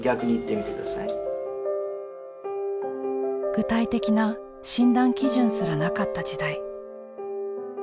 具体的な診断基準すらなかった時代。